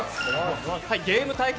ゲーム対決